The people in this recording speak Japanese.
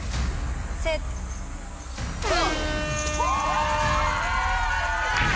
セットあ！